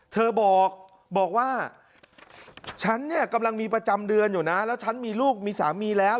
เธอบอกบอกว่าฉันเนี่ยกำลังมีประจำเดือนอยู่นะแล้วฉันมีลูกมีสามีแล้ว